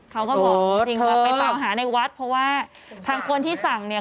เขาก็บอกจริงว่าไปเป่าหาในวัดเพราะว่าทางคนที่สั่งเนี่ย